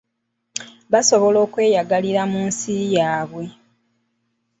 Basobole okweyagalira mu nsi yaabwe.